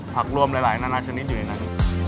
ผักรวมหลายชนิดอยู่ในนั้น